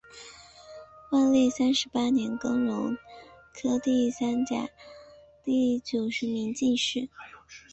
万历三十八年庚戌科第三甲第九十名进士。